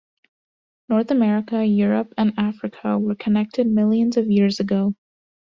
North America, Europe and Africa were connected millions of years ago.